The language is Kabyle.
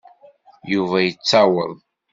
Yuba yettaweḍ.